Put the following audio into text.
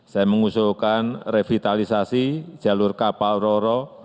saya mengusulkan revitalisasi jalur kapal roro